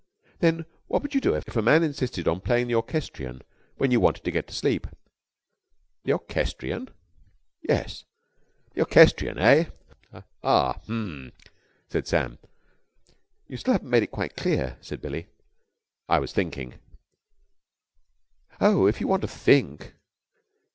"Then what would you do if a man insisted on playing the orchestrion when you wanted to get to sleep?" "The orchestrion?" "Yes." "The orchestrion, eh? Ah! H'm!" said Sam. "You still haven't made it quite clear," said Billie. "I was thinking." "Oh, if you want to think!"